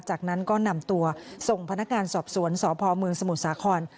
จากนั้นก็นำตัวส่งพนักงานสอบสวนสพเมืองสมุทรสาคร